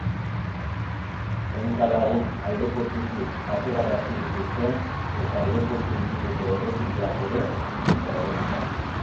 Ehunka lagun aireportutik aterarazi dituzte eta aireportu inguruko errepideak ere itxita egon dira.